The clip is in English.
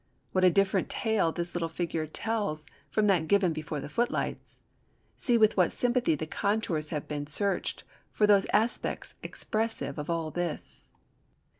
What a different tale this little figure tells from that given before the footlights! See with what sympathy the contours have been searched for those accents expressive of all this.